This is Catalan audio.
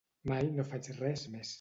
Mai no faig res més.